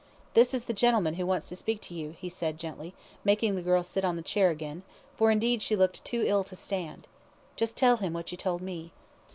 "This is the gentleman who wants to speak to you," he said, gently, making the girl sit on the chair again, for indeed she looked too ill to stand. "Just tell him what you told me."